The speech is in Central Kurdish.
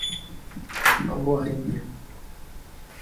ئەمڕۆ هەینییە.